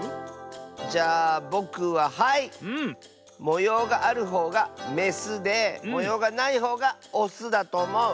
もようがあるほうがメスでもようがないほうがオスだとおもう。